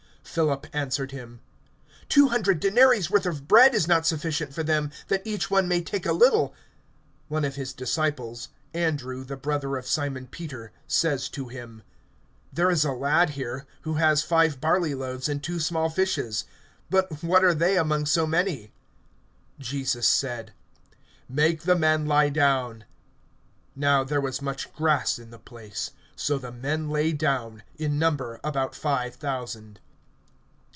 (7)Philip answered him: Two hundred denaries worth of bread is not sufficient for them, that each one may take a little. (8)One of his disciples, Andrew, the brother of Simon Peter, says to him: (9)There is a lad here, who has five barley loaves and two small fishes; but what are they among so many? (10)Jesus said: Make the men lie down. Now there was much grass in the place. So the men lay down, in number about five thousand.